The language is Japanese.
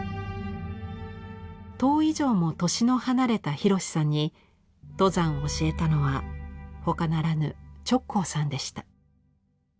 十以上も年の離れた洋さんに登山を教えたのは他ならぬ直行さんでした。